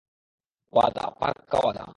ওয়াদা, - পাক্কা ওয়াদা।